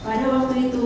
pada waktu itu